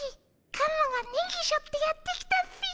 カモがネギしょってやって来たっピィ。